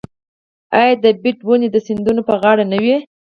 آیا د بید ونې د سیندونو په غاړه نه وي؟